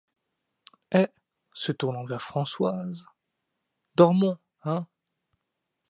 Et, se tournant vers Françoise: — Dormons, hein?